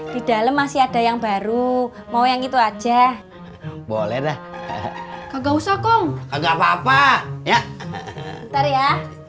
di dalam masih ada yang baru mau yang itu aja boleh kagak usah kong enggak apa apa ya ntar ya